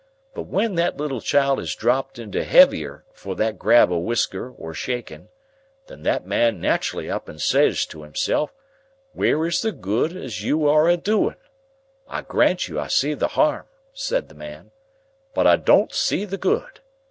But when that little child is dropped into heavier for that grab of whisker or shaking, then that man naterally up and says to himself, 'Where is the good as you are a doing? I grant you I see the 'arm,' says the man, 'but I don't see the good.